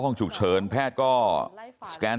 หลังจากนั้นผมก็วิ่งหน่อยครับ